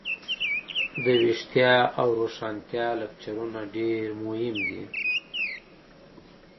دویښتیا او روښانتیا لکچرونه ډیر مهم دي.